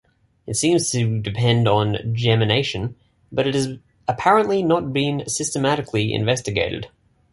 It seems to depend on gemination, but it has apparently not been systematically investigated.